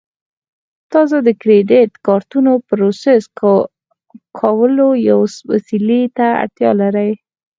تاسو د کریډیټ کارتونو پروسس کولو یوې وسیلې ته اړتیا لرئ